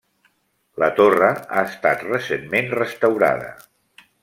La torre ha estat recentment restaurada.